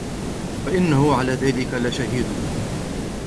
وَإِنَّهُ عَلَى ذَلِكَ لَشَهِيدٌ